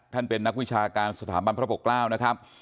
ท่านเป็นนักวิชาการสถาบันพระปกราวนะครับ